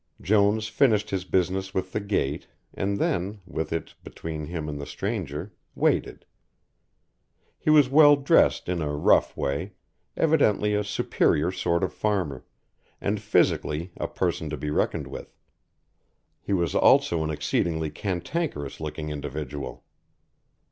Jones finished his business with the gate, and then, with it between him and the stranger, waited. He was well dressed in a rough way, evidently a superior sort of farmer, and physically a person to be reckoned with. He was also an exceedingly cantankerous looking individual.